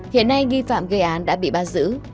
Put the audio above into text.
hiện nay nghi phạm gây án đã bị bắt giữ